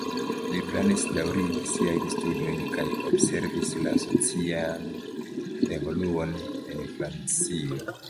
Li planis daŭrigi siajn studojn kaj observi la socian evoluon en Francio.